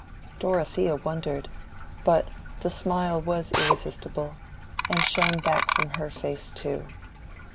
Dorothea wondered; but the smile was irresistible, and shone back from her face too.